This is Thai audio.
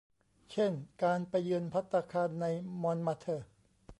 เช่น การไปเยือนภัตตาคารในมอนมาร์เทอะ